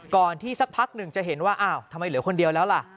ที่สักพักหนึ่งจะเห็นว่าอ้าวทำไมเหลือคนเดียวแล้วล่ะ